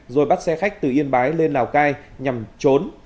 rồi bắt xe khách từ yên bái lên lào cai nhằm trốn